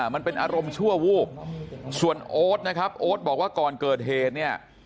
มันเป็นอารมณ์ชั่ววูบส่วนโอ๊ตนะครับโอ๊ตบอกว่าก่อนเกิดเหตุเนี่ย